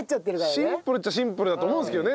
シンプルっちゃシンプルだと思うんですけどね